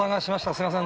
すいません